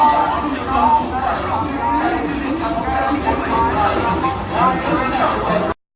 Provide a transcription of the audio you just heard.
วันสุดท้ายที่สุดท้ายที่สุดท้ายที่สุดท้ายที่สุดท้ายท์